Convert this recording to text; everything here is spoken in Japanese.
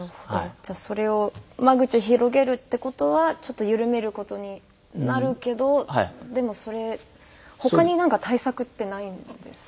じゃあそれを間口を広げるってことはちょっと緩めることになるけどでもそれ他に何か対策ってないんですか？